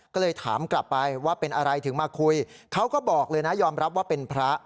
ก็เลยถามกลับไปว่าเป็นอะไรถึงมาคุยเขาก็บอกเลยนะยอมรับว่าเป็นพระ